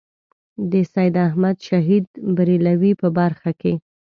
د سید احمد شهید برېلوي په برخه کې.